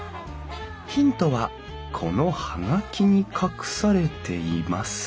ヒントはこの葉書に隠されています。